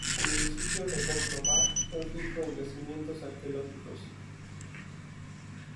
El municipio de Gondomar es rico en yacimientos arqueológicos.